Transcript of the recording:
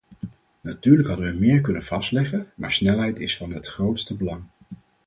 Natuurlijk hadden we meer kunnen vastleggen, maar snelheid is van het grootste belang.